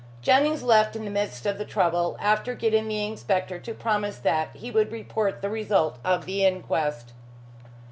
Jennings left in the midst of the trouble, after getting the inspector to promise that he would report the result of the inquest.